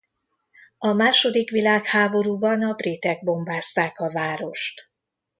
A második világháborúban a britek bombázták a várost.